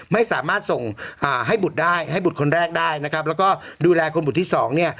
ไม่สามารถส่งให้บุตรได้ให้บุตรคนแรกได้นะครับแล้วก็ดูแลคนบุตรที่สองเนี่ย